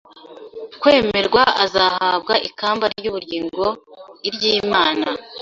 kwemerwa azahabwa ikamba ry’ubugingo iry’Imana